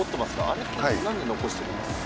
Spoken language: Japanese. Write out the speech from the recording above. あれってなんで残してるんですか？